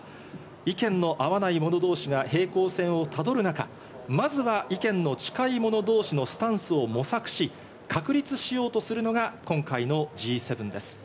意見の合わない者同士が平行線をたどる中、まずは意見の近い者同士のスタンスを模索し、確立しようとするのが今回のＧ７です。